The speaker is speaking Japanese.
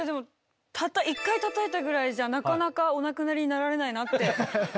たった一回たたいたぐらいじゃなかなかお亡くなりになられないなって。